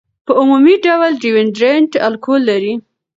په عمومي ډول ډیوډرنټ الکول لري.